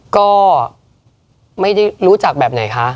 ก็ไม่ได้รู้จักแบบไหนคะ